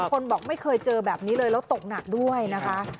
คนบอกไม่เคยเจอแบบนี้เลยแล้วตกหนักด้วยนะคะ